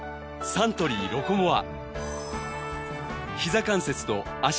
サントリー「ロコモア」